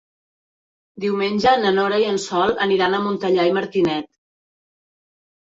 Diumenge na Nora i en Sol aniran a Montellà i Martinet.